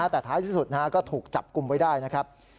แต่ท้ายที่สุดก็ถูกจับกลุ่มไว้ได้นะครับ